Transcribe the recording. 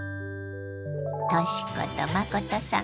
とし子と真さん